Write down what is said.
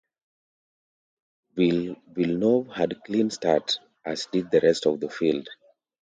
Villeneuve had a clean start, as did the rest of the field.